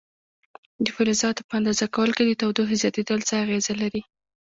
د فلزاتو په اندازه کولو کې د تودوخې زیاتېدل څه اغېزه لري؟